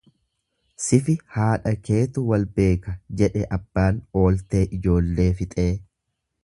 """Sifi haadha keetu wal beeka"" jedhe abbaan ooltee ijoollee fixee."